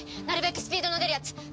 なるべくスピードの出るやつ。